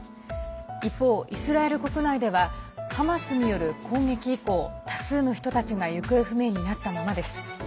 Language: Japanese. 一方、イスラエル国内ではハマスによる攻撃以降多数の人たちが行方不明になったままです。